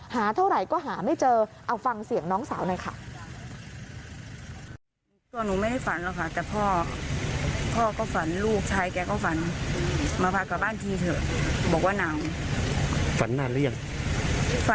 เท่าไหร่ก็หาไม่เจอเอาฟังเสียงน้องสาวหน่อยค่ะ